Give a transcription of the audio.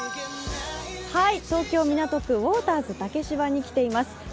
東京・港区ウォーターズ竹芝に来ています。